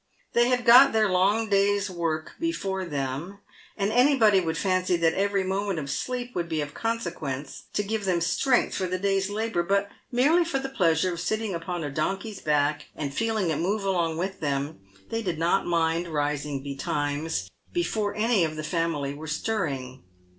They had got their long day's work before them, and anybody would fancy that every moment of sleep would be of consequence to give them strength for the day's labour, but merely for the pleasure of sitting upon a donkey's back, and feeling it move along with them, they did not mind rising betimes, before any of the family were stirring.